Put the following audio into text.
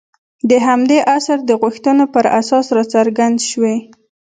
د همدې عصر د غوښتنو پر اساس راڅرګند شوي.